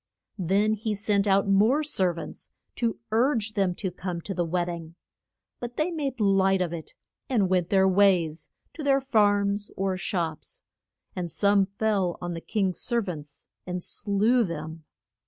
Then he sent out more ser vants to urge them to come to the wed ding. But they made light of it, and went their ways, to their farms or shops; and some fell on the king's ser vants and slew them.